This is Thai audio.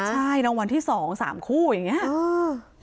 ใช่รางวัลที่๒๓คู่อย่างนี้